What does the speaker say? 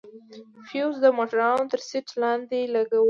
فيوز د موټروان تر سيټ لاندې لگوو.